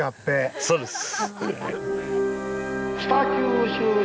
そうです！